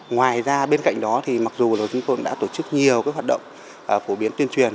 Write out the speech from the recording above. ngoài ra bên cạnh đó mặc dù chúng tôi đã tổ chức nhiều hoạt động phổ biến tuyên truyền